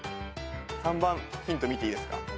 ３番ヒント見ていいですか？